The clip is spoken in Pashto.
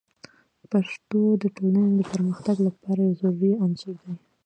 پښتو د ټولنې د پرمختګ لپاره یو ضروري عنصر دی.